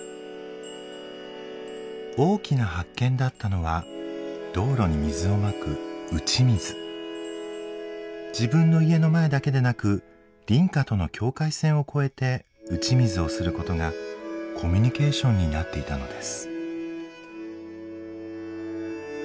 大きな発見だったのは道路に水をまく自分の家の前だけでなく隣家との境界線を越えて打ち水をすることがコミュニケーションになっていたのです。